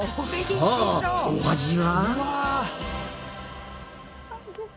さあお味は？